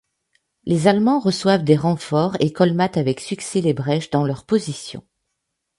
Les Allemands reçoivent des renforts et colmatent avec succès les brèches dans leurs positions.